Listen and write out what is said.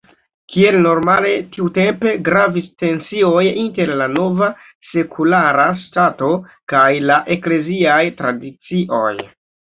Kiel normale tiutempe, gravis tensioj inter la nova sekulara ŝtato kaj la ekleziaj tradicioj.